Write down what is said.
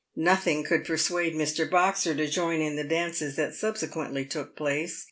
Nothing could persuade Mr. Boxer to join in the dances that sub sequently took place.